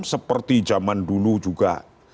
seperti zaman dulu juga